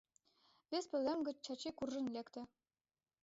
Вес пӧлем гыч Чачи куржын лекте.